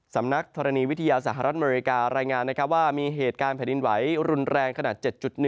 สำนักธรณีวิทยาสหรัฐอเมริการายงานว่ามีเหตุการณ์แผ่นดินไหวรุนแรงขนาด๗๑